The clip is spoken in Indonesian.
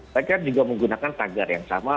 mereka juga menggunakan tagar yang sama